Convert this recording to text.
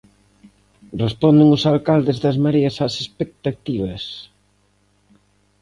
Responden os alcaldes das Mareas ás expectativas?